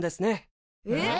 えっ？